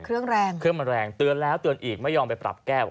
เครื่องแรงเครื่องมันแรงเตือนแล้วเตือนอีกไม่ยอมไปปรับแก้ว